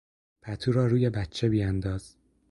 پتو را روی بچه بیانداز.